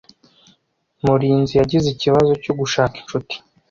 Murinzi yagize ikibazo cyo gushaka inshuti.